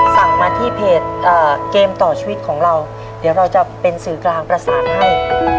สั่งมาที่เพจเกมต่อชีวิตของเราเดี๋ยวเราจะเป็นสื่อกลางประสานให้